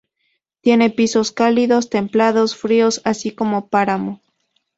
Tiene pisos cálidos, templados, fríos así como páramo.